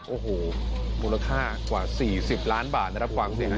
โอ้โหมูลค่ากว่า๔๐ล้านบาทนะครับ